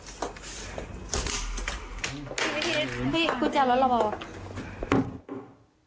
พี่คุณจัดรถเราเปล่า